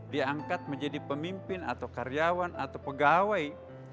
diangkat menjadi pemimpin atau karyawan atau pegawai